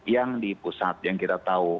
yang di pusat yang kita tahu